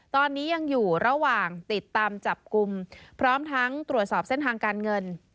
ตอนนี้ยังอยู่ระหว่างติดตามจับกลุ่มพร้อมทั้งตรวจสอบเส้นทางการเงิน